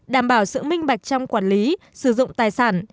đảm bảo sự minh bạch trong quản lý sử dụng tài sản